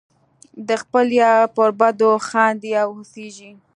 د خپل یار پر بدو خاندې او هوسیږم.